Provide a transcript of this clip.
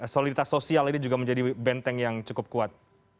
soliditas sosial ini juga menjadi benteng yang cukup kuat